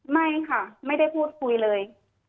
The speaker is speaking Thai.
ไม่ค่ะไม่ได้พูดคุยเลย